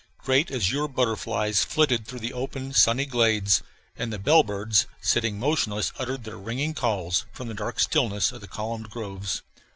Great azure butterflies flitted through the open, sunny glades, and the bellbirds, sitting motionless, uttered their ringing calls from the dark stillness of the columned groves.